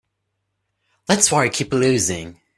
That's why I keep losing.